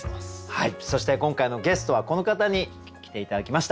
そして今回のゲストはこの方に来て頂きました。